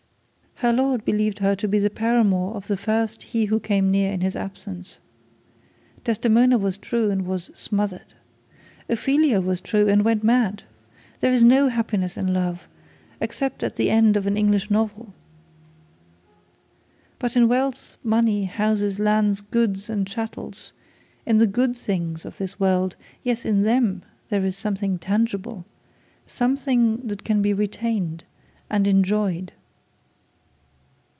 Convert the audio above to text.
Her lord believed her to be the paramour of the first he who came near her in his absence. Desdemona was true and was smothered. Ophelia was true and went mad. There is no happiness in love, except at the end of an English novel. But in wealth, money, houses, lands, goods and chattels, in the good things of this world, yes, in them there is something tangible, something that can be retained and enjoyed.'